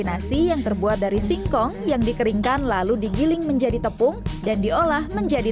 nasi yang terbuat dari singkong yang dikeringkan lalu digiling menjadi tepung dan diolah menjadi